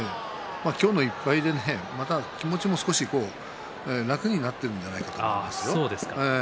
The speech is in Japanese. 今日の１敗でまた気持ちも少し楽になっているんじゃないかと思いますよ。